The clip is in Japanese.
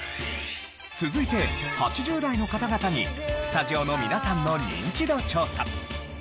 続いて８０代の方々にスタジオの皆さんのニンチド調査。